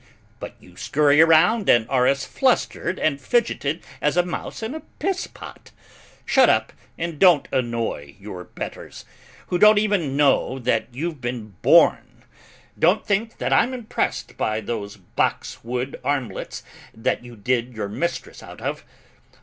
But you scurry around and are as flustered and fidgeted as a mouse in a piss pot. Shut up and don't annoy your betters, who don't even know that you've been born. Don't think that I'm impressed by those boxwood armlets that you did your mistress out of.